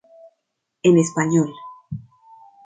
En español.